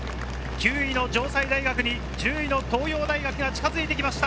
９位の城西大学に１０位の東洋大学が近づいてきました。